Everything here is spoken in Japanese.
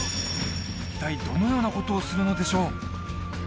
一体どのようなことをするのでしょう？